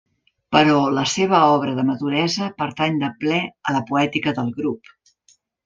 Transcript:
Però la seva obra de maduresa pertany de ple a la poètica del grup.